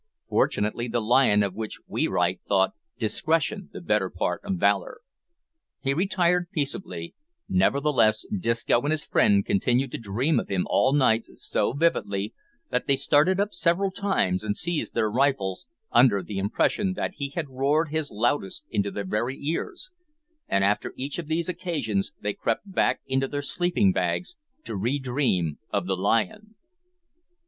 Fortunately the lion of which we write thought "discretion the better part of valour." He retired peaceably, nevertheless Disco and his friend continued to dream of him all night so vividly that they started up several times, and seized their rifles, under the impression that he had roared his loudest into their very ears, and after each of these occasions they crept back into their sleeping bags to re dream of the lion!